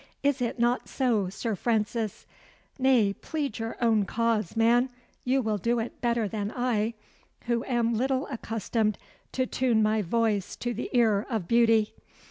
Is it not so, Sir Francis? Nay, plead your own cause, man. You will do it better than I, who am little accustomed to tune my voice to the ear of beauty."